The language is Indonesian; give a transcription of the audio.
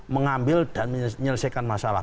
mengambil dan menyelesaikan masalah